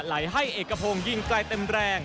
ไหลให้เอกพรงยิงกลายเต็มแรง